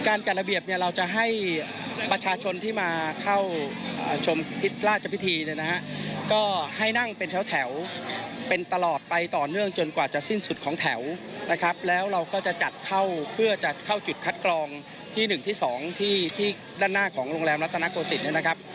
จัดระเบียบเนี่ยเราจะให้ประชาชนที่มาเข้าชมทิศราชพิธีเนี่ยนะฮะก็ให้นั่งเป็นแถวเป็นตลอดไปต่อเนื่องจนกว่าจะสิ้นสุดของแถวนะครับแล้วเราก็จะจัดเข้าเพื่อจะเข้าจุดคัดกรองที่๑ที่๒ที่ที่ด้านหน้าของโรงแรมรัฐนาโกศิษย์เนี่ยนะครับ